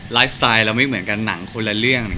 สไตล์เราไม่เหมือนกันหนังคนละเรื่อง